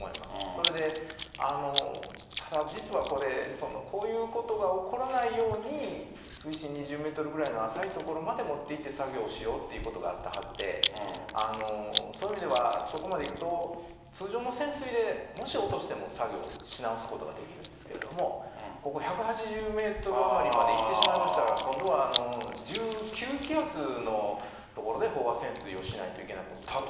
それで、ただ実はこれ、こういうことが起こらないように、水深２０メートルぐらいの浅い所まで持っていって作業しようということがあったはずで、そういう意味ではそこまでいくと通常の潜水で、もし落としても作業し直すことができるんですけど、ここ１８０メートル余りまで行ってしまいましたから、今度は１９気圧の所で飽和潜水をしないといけなくなりまして。